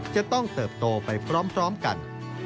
จะต้องเติบโตไปพร้อมกัน